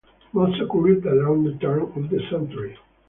Most occurred around the turn of the century.